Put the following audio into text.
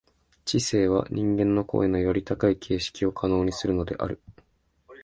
知性は人間の行為のより高い形式を可能にするのである。